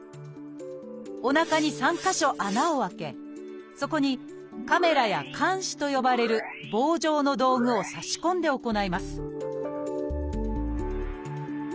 おなかに３か所穴を開けそこにカメラや鉗子と呼ばれる棒状の道具を差し込んで行います